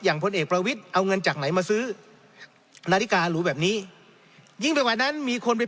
พลเอกประวิทย์เอาเงินจากไหนมาซื้อนาฬิการูแบบนี้ยิ่งไปกว่านั้นมีคนไป